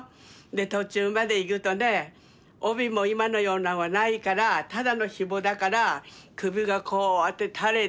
で途中まで行くとね帯も今のようなんはないからただのひもだから首がこうやって垂れているわけね。